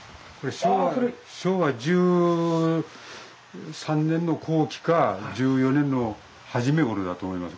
昭和１３年の後期か１４年の初めごろだと思います。